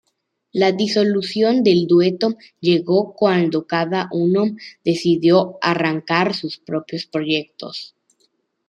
La disolución del dueto llegó cuando cada uno decidió arrancar sus propios proyectos.